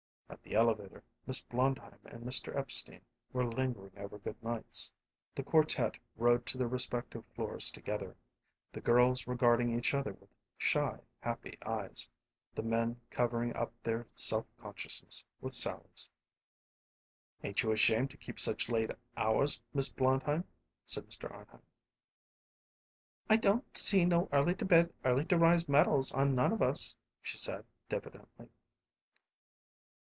At the elevator Miss Blondheim and Mr. Epstein were lingering over good nights. The quartette rode up to their respective floors together the girls regarding each other with shy, happy eyes; the men covering up their self consciousness with sallies. "Ain't you ashamed to keep such late hours, Miss Blondheim?" said Mr. Arnheim. "I don't see no early to bed early to rise medals on none of us," she said, diffidently.